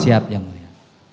siap yang mulia